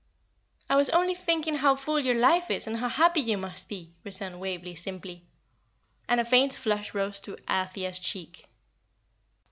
"I was only thinking how full your life is, and how happy you must be!" returned Waveney, simply; and a faint flush rose to Althea's cheek.